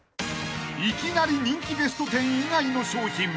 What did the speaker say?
［いきなり人気ベスト１０以外の商品］